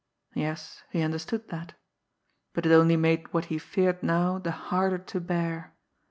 Yes, he understood that but it only made what he feared now the harder to bear.